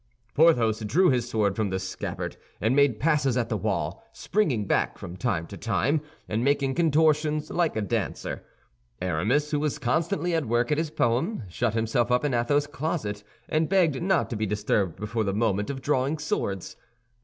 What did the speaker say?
Porthos drew his sword from the scabbard, and made passes at the wall, springing back from time to time, and making contortions like a dancer. Aramis, who was constantly at work at his poem, shut himself up in Athos's closet, and begged not to be disturbed before the moment of drawing swords.